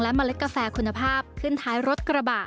เมล็ดกาแฟคุณภาพขึ้นท้ายรถกระบะ